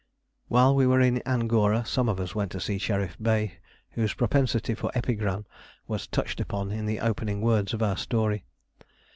While we were in Angora some of us went to see Sherif Bey, whose propensity for epigram was touched upon in the opening words of our story.